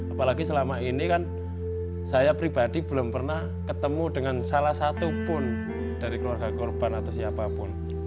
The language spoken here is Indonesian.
apalagi selama ini kan saya pribadi belum pernah ketemu dengan salah satu pun dari keluarga korban atau siapapun